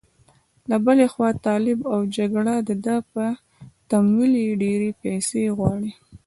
له بلې خوا طالب او جګړه ده چې تمویل یې ډېرې پيسې غواړي.